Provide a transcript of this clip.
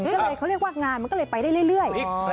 ก็เลยเขาเรียกว่างานมันก็เลยไปได้เรื่อย